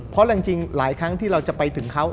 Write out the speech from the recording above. เพราะจริงหลายครั้งที่เราจะไปถึงเขา